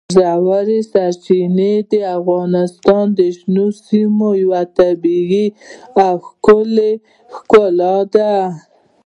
ژورې سرچینې د افغانستان د شنو سیمو یوه طبیعي او ښکلې ښکلا ده.